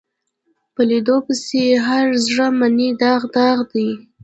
په لیدو پسې هر زړه منې داغ داغ دی